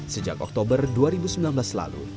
sejak oktober dua ribu sembilan belas lalu